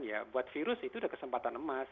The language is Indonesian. ya buat virus itu udah kesempatan emas